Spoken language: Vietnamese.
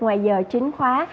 ngoài giờ chính khóa